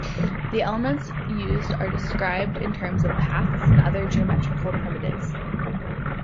The elements used are described in terms of paths and other geometrical primitives.